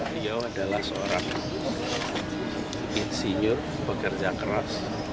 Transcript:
dia adalah seorang insinyur bekerja keras